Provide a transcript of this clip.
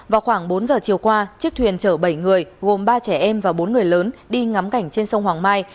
vào khoảng bốn giờ chiều qua chiếc thuyền chở bảy người gồm ba trẻ em và bốn người lớn đi ngắm cảnh trên sông hoàng mai